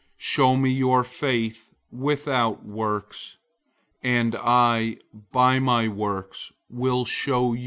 Show me your faith without works, and I by my works will show you my faith.